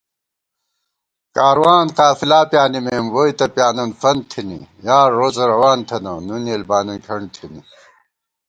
کاروان قافلا پیانِمېم ووئی تہ پیانَن فنت تھنی * یار روڅہ روان تھنہ نُن یېل بانن کھنٹ تھنی